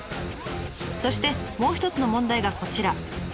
そしてもう一つの問題がこちら。